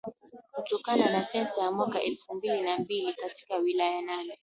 kutokana na sensa ya mwaka elfu mbili na mbili katika wilaya nane